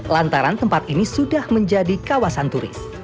lantaran tempat ini sudah menjadi kawasan turis